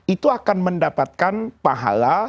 itu akan mendapatkan pahala